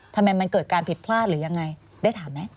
ทำไมมันเกิดการผิดพลาดหรือยังไงได้ถามไหม